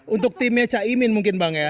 untuk timnya caimin mungkin bang ya